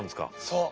そう。